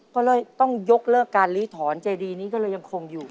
ก็เลยต้องยกเลิกการลื้อถอนเจดีนี้ก็เลยยังคงอยู่